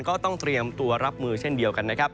ก็ต้องเตรียมตัวรับมือเช่นเดียวกันนะครับ